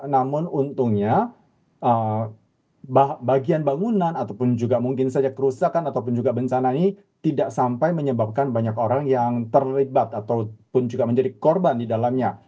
namun untungnya bagian bangunan ataupun juga mungkin saja kerusakan ataupun juga bencana ini tidak sampai menyebabkan banyak orang yang terlibat ataupun juga menjadi korban di dalamnya